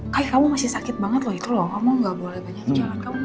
kay kamu masih sakit banget loh itu loh kamu gak boleh banyak jalan